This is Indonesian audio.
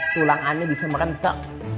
tulang anda bisa merentek